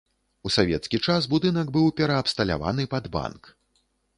У савецкі час будынак быў пераабсталяваны пад банк.